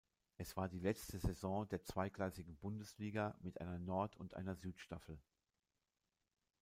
Es war die letzte Saison der zweigleisigen Bundesliga mit einer Nord- und einer Südstaffel.